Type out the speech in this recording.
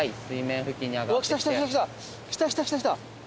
おっ来た来た来た来た。